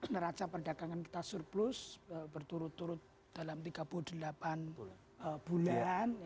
neraca perdagangan kita surplus berturut turut dalam tiga puluh delapan bulan